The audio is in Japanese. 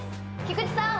菊地さん